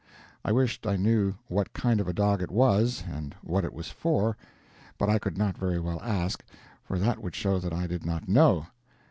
I wished I knew what kind of a dog it was, and what it was for, but I could not very well ask, for that would show that I did not know.